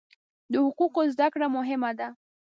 د حقوقو زده کړه مهمه ده.